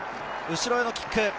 後ろへのキック。